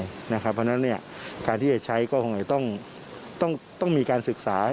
เพราะฉะนั้นการที่จะใช้ก็คงจะต้องมีการศึกษา